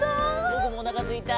ぼくもおなかすいた。